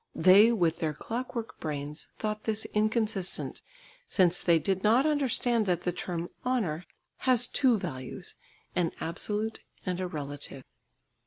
They, with their clock work brains, thought this inconsistent, since they did not understand that the term "honour" has two values, an absolute and a "relative."